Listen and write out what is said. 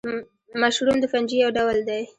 مشروم د فنجي یو ډول دی